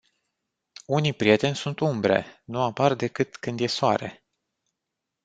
Unii prieteni sunt umbre, nu apar decât când e Soare.